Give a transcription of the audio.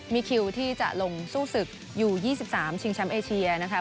มีคิวที่จะลงสู้ศึกอยู่ยี่สิบสามชิงช้ำเอเชียนะคะ